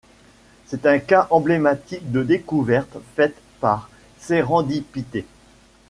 C'est un cas emblématique de découverte faite par sérendipité.